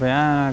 nhiều đấy nhiều